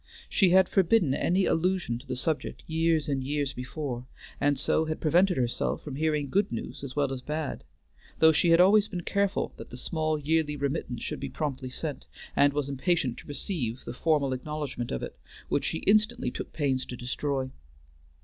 She had forbidden any allusion to the subject years and years before, and so had prevented herself from hearing good news as well as bad; though she had always been careful that the small yearly remittance should be promptly sent, and was impatient to receive the formal acknowledgment of it, which she instantly took pains to destroy.